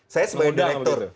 saya sebagai direktur